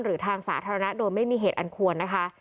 หรือทางสาธารณะโดยไม่มีเหตุอันควรนะคะ